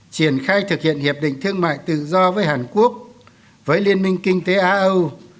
triển khai thực hiện hiệp định thương mại tự do với hàn quốc với liên minh kinh tế á âu